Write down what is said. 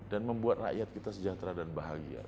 dan membuat rakyat kita sejahtera dan bahagia